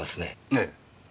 ええ。